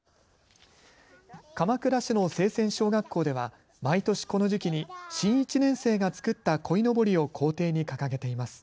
鎌倉市の清泉小学校では毎年、この時期に新１年生が作ったこいのぼりを校庭に掲げています。